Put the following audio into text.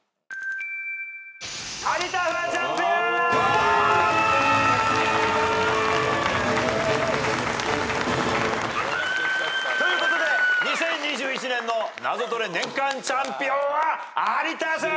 有田フワちゃんペア！ということで２０２１年の『ナゾトレ』年間チャンピオンは有田さん！